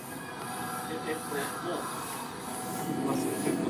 The concept of inequality is distinct from that of poverty and fairness.